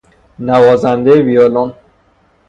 نوازنده ویولن